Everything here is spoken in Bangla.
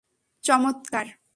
হুম, চমৎকার।